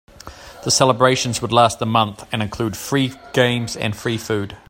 The celebrations would last a month and include free games and free food.